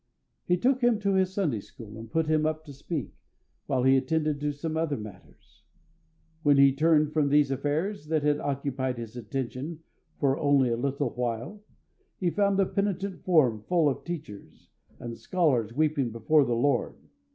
He took him to his Sunday school, and put him up to speak, while he attended to some other matters. When he turned from these affairs that had occupied his attention for only a little while, he found the penitent form full of teachers and scholars, weeping before the Lord.